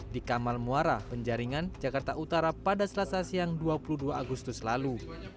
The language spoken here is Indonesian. di kamal muara penjaringan jakarta utara pada selasa siang dua puluh dua agustus lalu